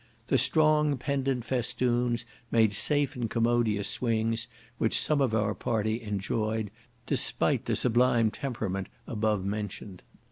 The strong pendant festoons made safe and commodious swings, which some of our party enjoyed, despite the sublime temperament above mentioned.